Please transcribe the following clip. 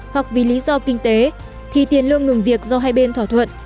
hoặc vì lý do kinh tế thì tiền lương ngừng việc do hai bên thỏa thuận